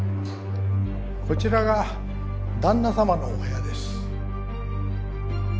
こちらが旦那様のお部屋です。